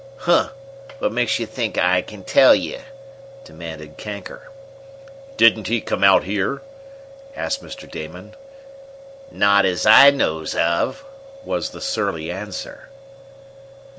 "Huh! What makes you think I can tell you?" demanded Kanker. "Didn't he come out here?" asked Mr. Damon. "Not as I knows of," was the surly answer.